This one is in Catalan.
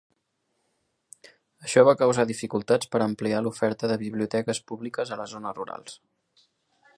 Això va causar dificultats per ampliar l'oferta de biblioteques públiques a les zones rurals.